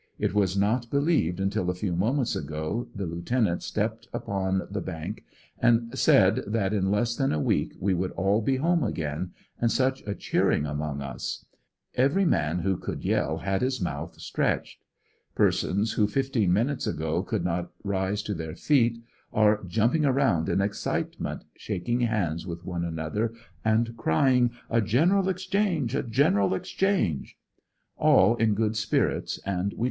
It was not be lieved until a few moments ago the Lieutenant stepped upon the ANDEBSONVILLE DIABY. 17 bank and said that i\i less than a week we would all be home again, and such a cheering among us; every man who could yell had his mouth stretched Persons who fifteen minutes ago could not rise to their feet are jumpi::g around in excitement, shaking hands with one ^nother and crying, '*A general exchange! a general exchange I" All in good spirits and we t.